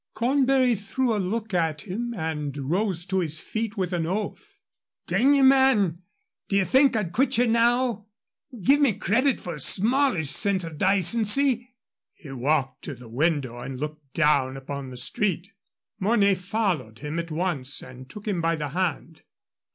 Cornbury threw a look at him and rose to his feet with an oath. "D n ye, man, d'ye think I'd quit ye now? Ye give me credit for a smallish sense of dacency." He walked to the window and looked down upon the street. Mornay followed him at once and took him by the hand.